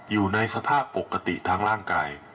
อยู่ในสภาพปกติทางร่างกาย